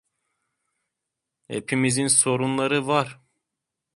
Hepimizin sorunları var.